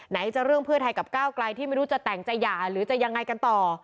จะเรื่องเพื่อไทยกับก้าวไกลที่ไม่รู้จะแต่งจะหย่าหรือจะยังไงกันต่อ